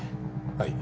はい。